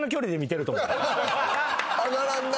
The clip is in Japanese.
上がらんな。